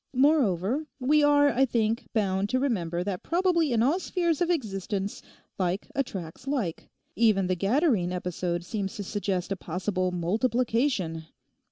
Moreover we are, I think, bound to remember that probably in all spheres of existence like attracts like; even the Gadarene episode seems to suggest a possible _multiplication!